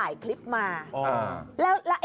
๓๘นิดหนึ่งหรือ๓๘นิดหนึ่ง